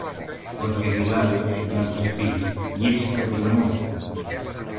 ο αρχικαγκελάριος, για να του ξεφύγει, γύρισε κατά τον γκρεμό